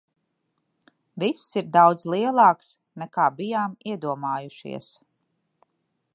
Viss ir daudz lielāks, nekā bijām iedomājušies.